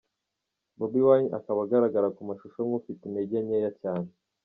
Bobi Wine akaba agaragara ku mashusho nk’ufite intege nkeya cyane.